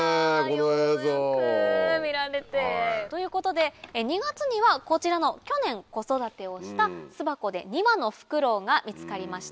ようやく見られて。ということで２月にはこちらの去年子育てをした巣箱で２羽のフクロウが見つかりました。